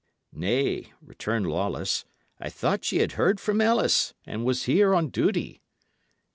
"Nay," returned Lawless, "I thought ye had heard from Ellis, and were here on duty."